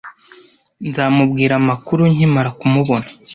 Nzamubwira amakuru nkimara kumubona.